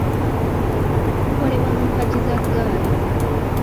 Bukolebwa mu mpagi za ggaali.